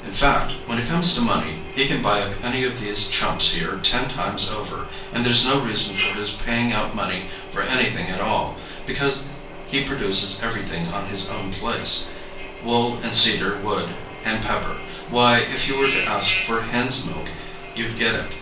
In fact, when it comes to money, he can buy up any of these chumps here ten times over; and there's no reason for his paying out money for anything at all, because he produces everything on his own place wool and cedar wood and pepper why, if you were to ask for hens' milk, you'd get it.